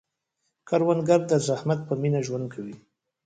کروندګر د زحمت په مینه ژوند کوي